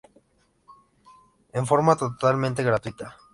En forma totalmente gratuita.